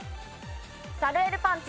サルエルパンツ。